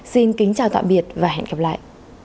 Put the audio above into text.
xin kính chào tạm biệt và hẹn gặp lại